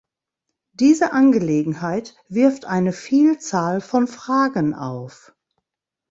Diese Angelegenheit wirft eine Vielzahl von Fragen auf.